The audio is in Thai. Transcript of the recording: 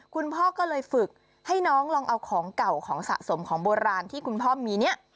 คุณพ่อก็เลยฝึกให้น้องลองเอาของเก่าของสะสมของโบราณที่คุณพ่อมีเนี่ย